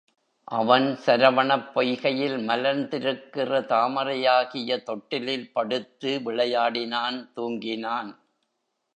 அவன் சரவணப் பொய்கையில் மலர்ந்திருக்கிற தாமரையாகிய தொட்டிலில் படுத்து விளையாடினான் தூங்கினான்.